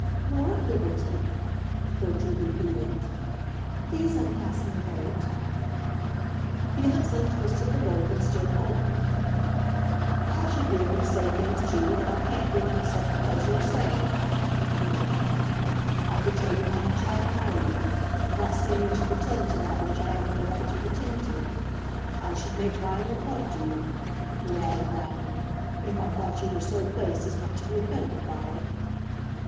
"More at liberty?" Gertrude repeated. "Please unfasten the boat." Felix untwisted the rope and stood holding it. "I should be able to say things to you that I can't give myself the pleasure of saying now," he went on. "I could tell you how much I admire you, without seeming to pretend to that which I have no right to pretend to. I should make violent love to you," he added, laughing, "if I thought you were so placed as not to be offended by it."